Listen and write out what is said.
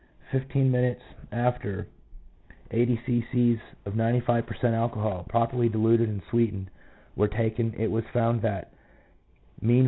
Fifteen minutes after 80 cc. of 95 per cent, alcohol, properly diluted and sweetened, were taken, it was found that Mv.